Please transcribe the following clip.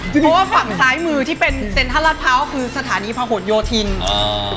เพราะว่าฝั่งซ้ายมือที่เป็นเต็นทรัฐรัฐพร้าวคือสถานีพระห่วนโยธินตร์